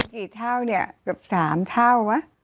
กี่เท่าเนี่ยแค่๓เท่าวะ